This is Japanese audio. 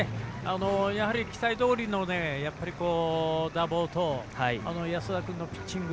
やはり期待どおりの打棒と安田君のピッチング。